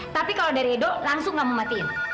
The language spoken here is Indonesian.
tapi kalau dari edo langsung nggak mau matiin